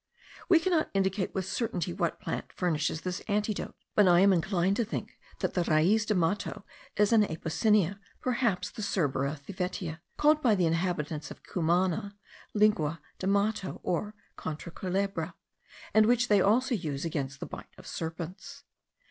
We cannot indicate with certainty what plant furnishes this antidote; but I am inclined to think, that the raiz de mato is an apocynea, perhaps the Cerbera thevetia, called by the inhabitants of Cumana lingua de mato or contra culebra, and which they also use against the bite of serpents.